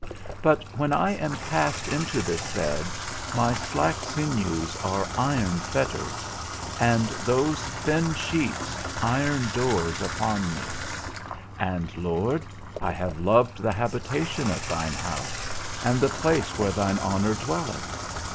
But when I am cast into this bed my slack sinews are iron fetters, and those thin sheets iron doors upon me; and, Lord, I have loved the habitation of thine house, and the place where thine honour dwelleth.